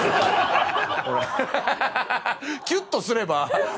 キュッとすれば。